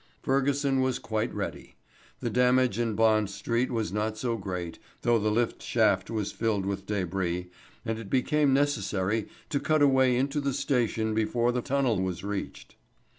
Fergusson was quite ready. The damage in Bond Street was not so great, though the lift shaft was filled with débris, and it became necessary to cut a way into the station before the funnel was reached.